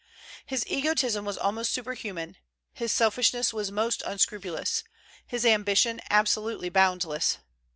His egotism was almost superhuman, his selfishness was most unscrupulous, his ambition absolutely boundless.